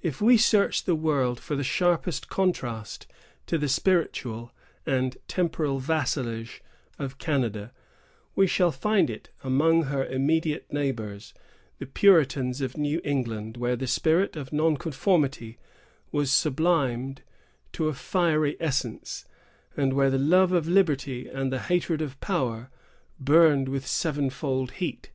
If we search the world for the sharpest contrast to the spiritual and temporal vassalage of Canada, we shall find it among her immediate neighbors, the Puritans of New England, where the spirit of non conformity was sublimed to a fiery essence, and where the love of liberty and the hatred of power burned with sevenfold heat.